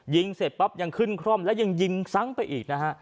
เสร็จปั๊บยังขึ้นคร่อมแล้วยังยิงซ้ำไปอีกนะฮะ